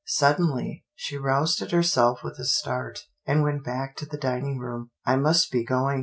Suddenly, she roused herself with a start, and went back to the dining room. " I must be going.